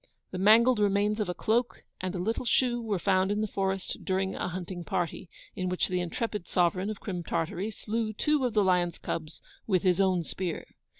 The mangled remains of a cloak, and a little shoe, were found in the forest, during a hunting party, in which the intrepid sovereign of Crim Tartary slew two of the lions' cubs with his own spear.